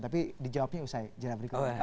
tapi dijawabnya saya tidak beri kebutuhan